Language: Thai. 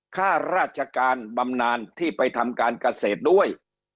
ค่าราชการบำนานที่ไปทำการเกษตรด้วย